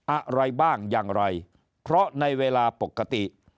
อะไรบ้างอย่างไรเพราะในเวลาปกติ